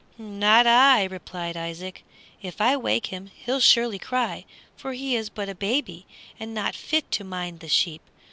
"Not I," replied Isaac, "if I wake him he'll surely cry, for he is but a baby, and not fit to mind the sheep.